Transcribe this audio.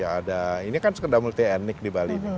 ada ini kan sekedar multi ethnic di bali